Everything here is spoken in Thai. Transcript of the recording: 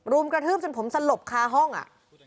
กระทืบจนผมสลบคาห้องอ่ะ